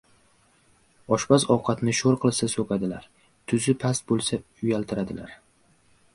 • Oshpaz ovqatni sho‘r qilsa ― so‘kadilar, tuzi past bo‘lsa ― uyaltiradilar.